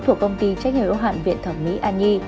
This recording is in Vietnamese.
thuộc công ty trách nhiệm ưu hạn viện thẩm mỹ an nhi